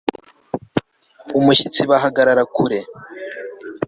umushyitsi bahagarara kure